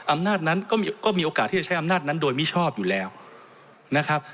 อำนาจนั้นก็มีโอกาสที่จะใช้อำนาจนั้นโดยมิชอบอยู่แล้วนะครับ